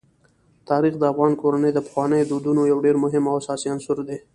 تاریخ د افغان کورنیو د پخوانیو دودونو یو ډېر مهم او اساسي عنصر دی.